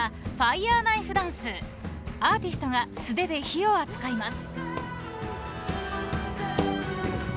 ［アーティストが素手で火を扱います］